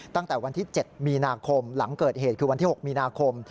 ตั้งแต่วันที่๗มีนาคมหลังเกิดเหตุคือวันที่๖มีนาคม